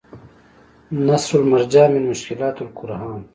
نصرالمرجان من مشکلات القرآن